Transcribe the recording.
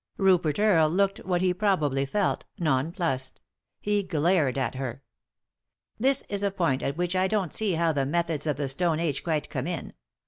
Rupert Earle looked what he probably felt, non plussed. He glared at her. "This is a point at which I don't see how the methods of the Stone Age quite come in.